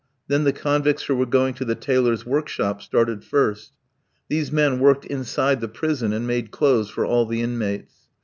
Then the convicts who were going to the tailors' workshop started first. These men worked inside the prison, and made clothes for all the inmates.